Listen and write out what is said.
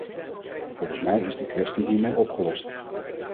Volgens mij is de kwestie hiermee opgelost.